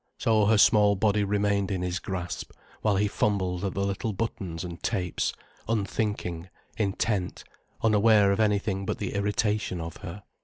So her small body remained in his grasp, while he fumbled at the little buttons and tapes, unthinking, intent, unaware of anything but the irritation of her.